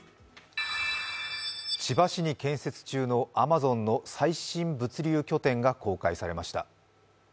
千葉市に建設中のＡｍａｚｏｎの最新物流拠点が公開されました。